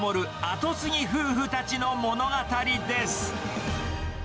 後継ぎ夫婦たちの物語です。